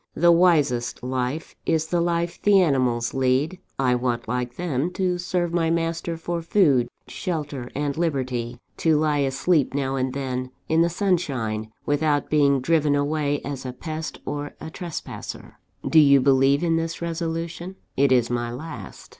The wisest life is the life the animals lead: I want, like them, to serve my master for food, shelter, and liberty to lie asleep now and then in the sunshine, without being driven away as a pest or a trespasser. Do you believe in this resolution? it is my last.